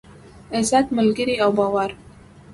عزت، ملگري او باور.